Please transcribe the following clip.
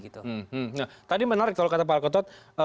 nah tadi menarik kalau kata pak alkotot